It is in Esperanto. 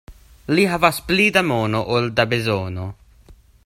Li havas pli da mono ol da bezono.